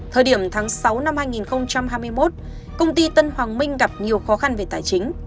thời điểm tháng sáu năm hai nghìn hai mươi một công ty tân hoàng minh gặp nhiều khó khăn về tài chính